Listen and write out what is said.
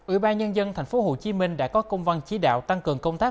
ủy ban nhân dân thành phố hồ chí minh đã có công văn chỉ đạo tăng cường công tác